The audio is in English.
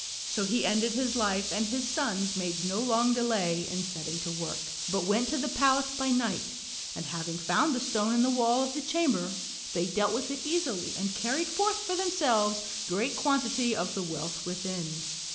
So he ended his life, and his sons made no long delay in setting to work, but went to the palace by night, and having found the stone in the wall of the chamber they dealt with it easily and carried forth for themselves great quantity of the wealth within.